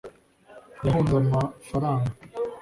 yahunze amafaranga